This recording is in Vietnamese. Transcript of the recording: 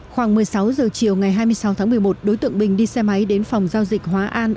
khoảng một mươi sáu giờ chiều ngày hai mươi sáu tháng một mươi một đối tượng bình đi xe máy đến phòng giao dịch hóa an